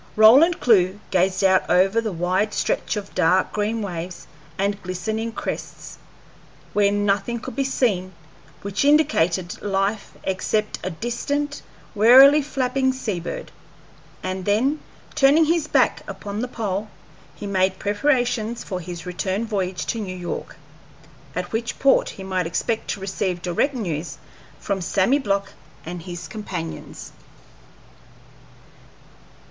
Roland Clewe gazed out over the wide stretch of dark green waves and glistening crests, where nothing could be seen which indicated life except a distant, wearily flapping sea bird, and then, turning his back upon the pole, he made preparations for his return voyage to New York, at which port he might expect to receive direct news from Sammy Block and his companions.